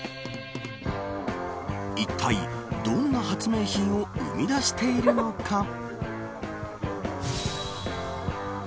いったいどんな発明品を生み出しているのか。